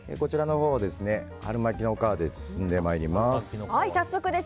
春巻きの皮で包んでまいります。